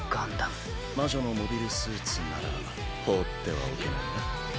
魔女のモビルスーツなら放ってはおけないな。